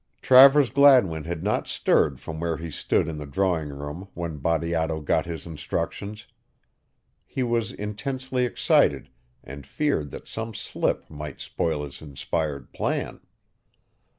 Travers Gladwin had not stirred from where he stood in the drawing room when Bateato got his instructions. He was intensely excited and feared that some slip might spoil this inspired plan.